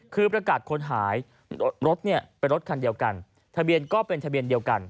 คือประกาศคนหายรถเนี่ยเป็นรถคันเดียวกันทะเบียนก็เป็นทะเบียนเดียวกัน